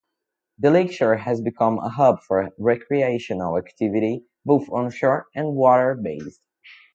The lakeshore has become a hub for recreational activity, both onshore and water based.